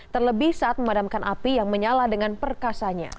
terlebih saat memadamkan api yang menyala dengan perkasanya